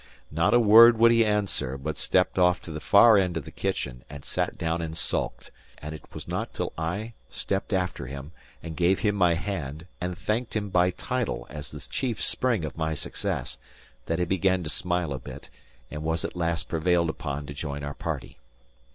Not a word would he answer, but stepped off to the far end of the kitchen, and sat down and sulked; and it was not till I stepped after him, and gave him my hand, and thanked him by title as the chief spring of my success, that he began to smile a bit, and was at last prevailed upon to join our party.